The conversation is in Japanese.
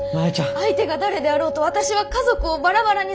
相手が誰であろうと私は家族をバラバラにされたくない。